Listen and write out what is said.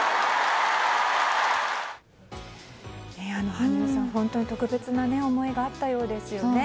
羽生さん、本当に特別な思いがあったようですね。